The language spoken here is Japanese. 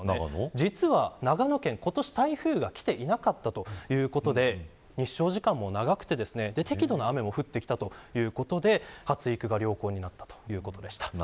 実は、長野県、今年台風が来ていなかったということで日照時間も長くて適度な雨も降っていたということで発育が良好になったということでした。